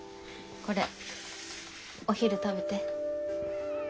これお昼食べて。